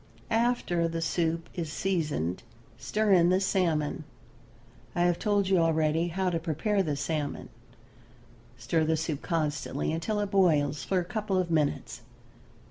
After the soup is seasoned stir in the salmon. I have told you already how to prepare the salmon. Stir the soup constantly until it boils for a couple of minutes.